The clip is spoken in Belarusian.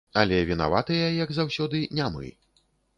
Але вінаватыя, як заўсёды, не мы.